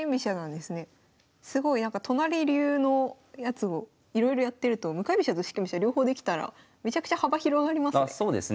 すごい都成流のやつをいろいろやってると向かい飛車と四間飛車両方できたらめちゃくちゃ幅広がりますね。